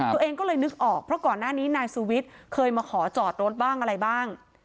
ตัวเองก็เลยนึกออกเพราะก่อนหน้านี้นายสุวิทย์เคยมาขอจอดรถบ้างอะไรบ้าง